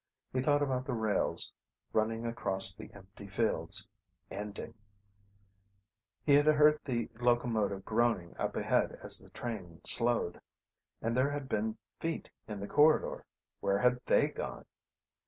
He thought about the rails, running across the empty fields, ending ... He had heard the locomotive groaning up ahead as the train slowed. And there had been feet in the corridor. Where had they gone?